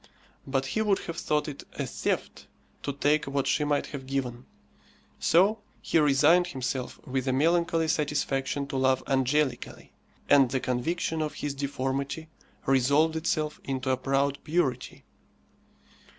But he would have thought it a theft to take what she might have given; so he resigned himself with a melancholy satisfaction to love angelically, and the conviction of his deformity resolved itself into a proud purity.